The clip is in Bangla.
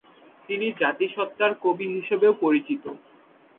তিনি জাতিসত্তার কবি হিসেবেও পরিচিত।